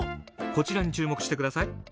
こちらに注目してください。